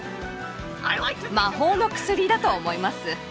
魔法の薬だと思います。